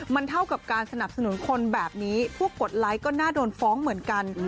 มันเท่ากับการสนับสนุนคนแบบนี้ผู้กดไลค์ก็น่าโดนฟ้องเหมือนกัน